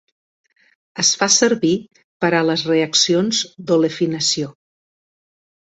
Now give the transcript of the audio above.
Es fa servir per a les reaccions d'"olefinació".